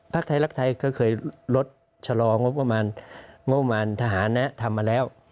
ภาคไทยรัฐไทยเขาเคยลดชะลองบประมาณทหารทำมาแล้ว